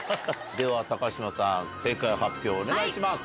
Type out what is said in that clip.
では高嶋さん正解発表お願いします。